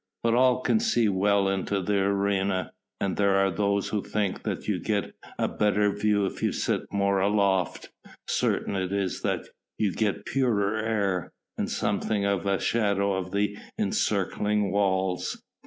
But all can see well into the arena, and there are those who think that you get a better view if you sit more aloft; certain it is that you get purer air and something of the shadow of the encircling walls.